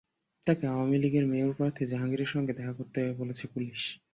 তাঁকে আওয়ামী লীগের মেয়র প্রার্থী জাহাঙ্গীরের সঙ্গে দেখা করতে বলেছে পুলিশ।